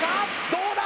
どうだ？